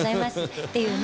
っていうね